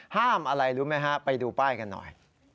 อะไรรู้ไหมฮะไปดูป้ายกันหน่อย